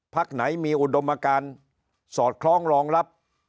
พักไหนมีอุดมการสอดคล้องรองรับ